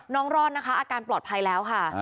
รอดนะคะอาการปลอดภัยแล้วค่ะ